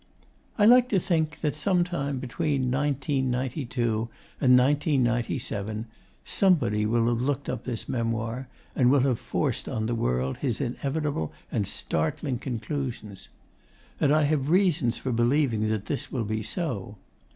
I like to think that some time between 1992 and 1997 somebody will have looked up this memoir, and will have forced on the world his inevitable and startling conclusions. And I have reasons for believing that this will be so.